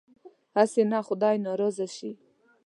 هسې نه خدای ناراضه شي.